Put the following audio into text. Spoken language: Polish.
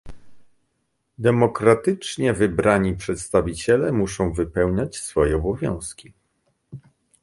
Demokratycznie wybrani przedstawiciele muszą wypełniać swoje obowiązki